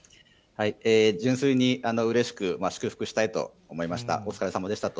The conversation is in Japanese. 純粋にうれしく、祝福したいと思いました。